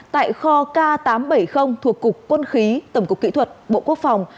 tại kho k tám trăm bảy mươi thuộc cục quân khí tổng cục kỹ thuật bộ quốc phòng